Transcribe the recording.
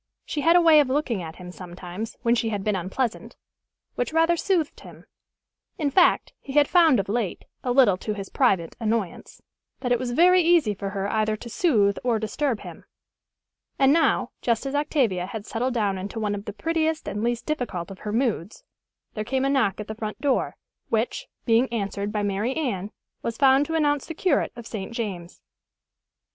She had a way of looking at him, sometimes, when she had been unpleasant, which rather soothed him. In fact, he had found of late, a little to his private annoyance, that it was very easy for her either to soothe or disturb him. And now, just as Octavia had settled down into one of the prettiest and least difficult of her moods, there came a knock at the front door, which, being answered by Mary Anne, was found to announce the curate of St. James.